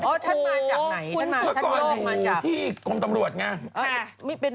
โอ้โฮยท่านมาจากไหน